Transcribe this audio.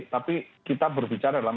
tapi kita berbicara dalam